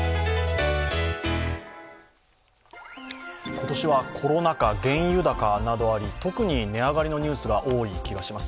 今年はコロナ禍、原油高などあり特に根上がりのニュースが多い気がします。